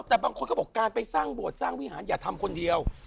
แต่บางคนก็บอกการไปสร้างโบสถสร้างวิหารอย่าทำคนเดียว